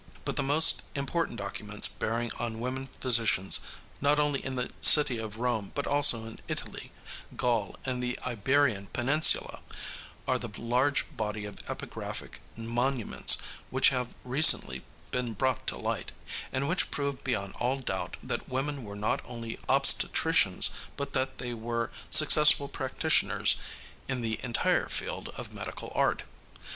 But the most important documents bearing on women physicians, not only in the city of Rome but also in Italy, Gaul and the Iberian peninsula, are the large body of epigraphic monuments which have recently been brought to light, and which prove beyond all doubt that women were not only obstetricians, but that they were successful practitioners in the entire field of medical art.